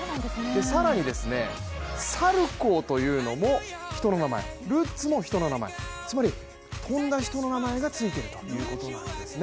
更に、サルコウというのも人の名前、ルッツも人の名前つまり跳んだ人の名前がついているということなんですね。